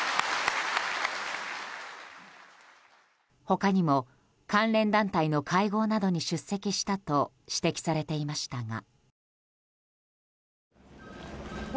他にも関連団体の会合などに出席したと指摘されていましたが。